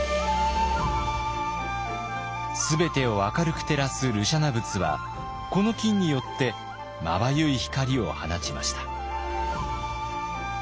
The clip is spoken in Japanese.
全てを明るく照らす慮舎那仏はこの金によってまばゆい光を放ちました。